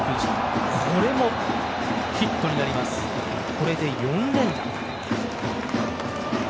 これで４連打。